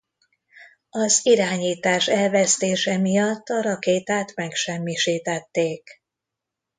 Az irányítás elvesztése miatt a rakétát megsemmisítették.